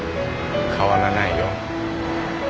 変わらないよ。